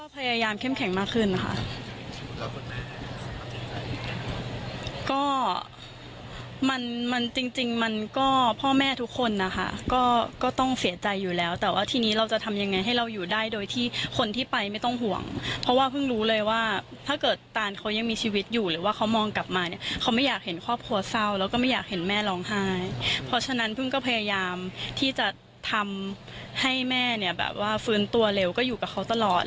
เพิ่งก็พยายามที่จะทำให้แม่เนี่ยแบบว่าฟื้นตัวเร็วก็อยู่กับเขาตลอดอะไรอย่างเงี้ยค่ะ